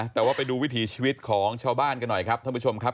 แต่ว่าไปดูวิถีชีวิตของชาวบ้านกันหน่อยครับท่านผู้ชมครับ